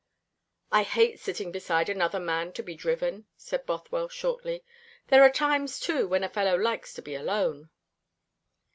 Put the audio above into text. "I hate sitting beside another man to be driven," said Bothwell shortly. "There are times, too, when a fellow likes to be alone."